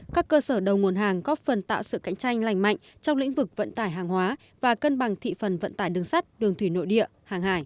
các cơ sở đầu nguồn hàng góp phần tạo sự cạnh tranh lành mạnh trong lĩnh vực vận tải hàng hóa và cân bằng thị phần vận tải đường sắt đường thủy nội địa hàng hải